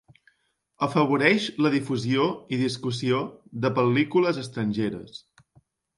Afavoreix la difusió i discussió de pel·lícules estrangeres.